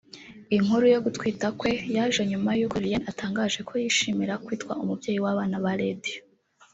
Inkuru yo gutwita kwe yaje nyuma y’uko Lilian atangaje ko yishimira kwitwa umubyeyi w’abana ba Radio